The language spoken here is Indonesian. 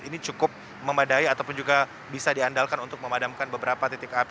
ini cukup memadai ataupun juga bisa diandalkan untuk memadamkan beberapa titik api